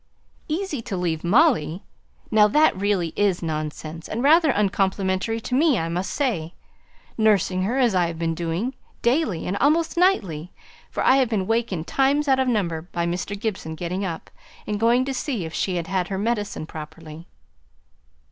"'Easy to leave Molly.' Now that really is nonsense, and rather uncomplimentary to me, I must say: nursing her as I have been doing, daily, and almost nightly; for I have been wakened times out of number by Mr. Gibson getting up, and going to see if she had had her medicine properly."